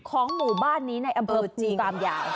ของหมู่บ้านนี้ในอำเภิบสุกรามใหญ่